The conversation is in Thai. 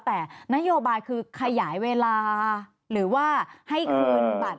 แต่นโยบายคือขยายเวลาหรือว่าให้คืนบัตร